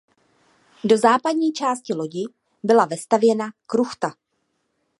Do západní části lodi byla vestavěna kruchta.